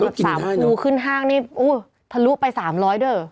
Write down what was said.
แบบ๓ฟูขึ้นห้างนี่ทะลุไป๓๐๐เดอร์